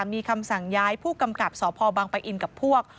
มีคำสั่งย้ายผู้กำกับสพบังปะอินกับพวก